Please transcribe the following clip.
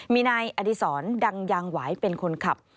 มีนายอดีศรดังยางหวายเป็นคนขับ